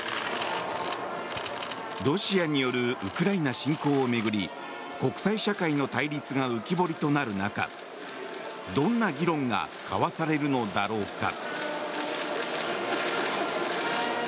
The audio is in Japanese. ロシアによるウクライナ侵攻を巡り国際社会の対立が浮き彫りとなる中どんな議論が交わされるのだろうか。